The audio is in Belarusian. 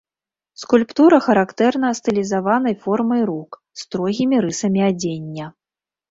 Скульптура характэрна стылізаванай формай рук, строгімі рысамі адзення.